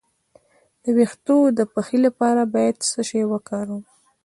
د ویښتو د پخې لپاره باید څه شی وکاروم؟